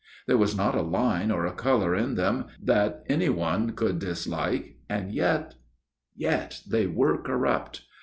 There was not a line or a colour in them that any one could dislike, and yet yet they were corrupt.